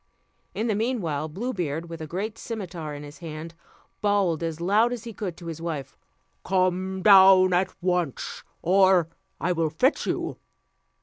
In the meanwhile, Blue Beard, with a great cimeter in his hand, bawled as loud as he could to his wife, "Come down at once, or I will fetch you."